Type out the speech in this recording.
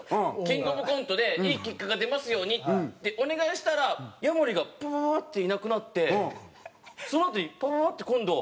キングオブコントでいい結果が出ますようにってお願いしたらヤモリがパーッていなくなってそのあとにパーッて今度。